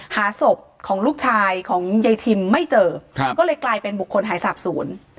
หาศพของลูกชายของยายทิมไม่เจอครับก็เลยกลายเป็นบุคคลหายสาบศูนย์